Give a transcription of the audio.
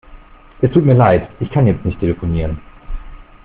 Es tut mir leid. Ich kann jetzt nicht telefonieren.